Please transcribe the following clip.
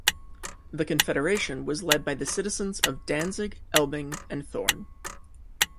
The Confederation was led by the citizens of Danzig, Elbing, and Thorn.